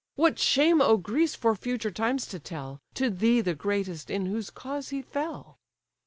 What shame 'o Greece for future times to tell, To thee the greatest in whose cause he fell!"